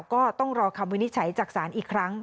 ก็ต้องรอคำวินิจฉัยจากศาลอีกครั้ง